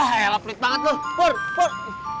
air aku pelit banget lo pur pur